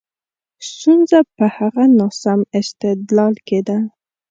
ستونزه په هغه ناسم استدلال کې ده.